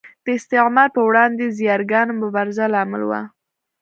د استعمار پر وړاندې ځیرکانه مبارزه لامل و.